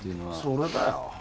それだよ。